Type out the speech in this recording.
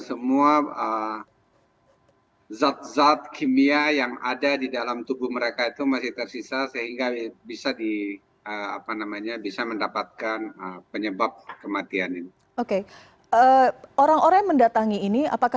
selamat sore mbak